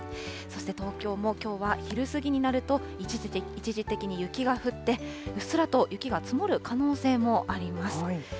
そして東京も、きょうは昼過ぎになると、一時的に雪が降って、うっすらと雪が積もる可能性もあります。